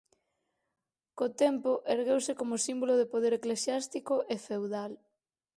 Co tempo ergueuse como símbolo de poder eclesiástico e feudal.